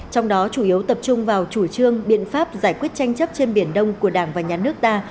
trong đó chủ yếu tập trung vào chủ trương biện pháp giải quyết tranh chấp trên biển đông của đảng và nhà nước ta